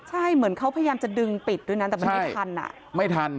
ใช่เหมือนเขาพยายามจะดึงปิดด้วยนั้นแต่มันไม่ทัน